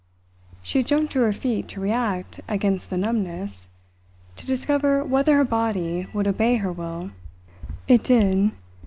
She had jumped to her feet to react against the numbness, to discover whether her body would obey her will. It did.